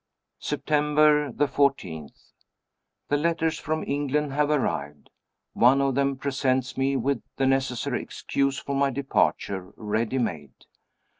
September 14. The letters from England have arrived. One of them presents me with the necessary excuse for my departure, ready made.